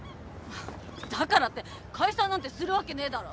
だからって解散なんてするわけねえだろ。